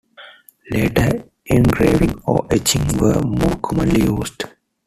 Later engraving or etching were more commonly used.